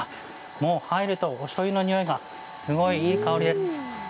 もう入るとおしょうゆのにおいがすごい、いい香りです。